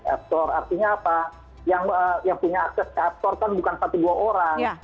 app artinya apa yang punya akses aptor kan bukan satu dua orang